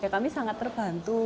kami sangat terbantu